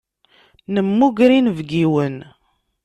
Nemmuger inebgiwen.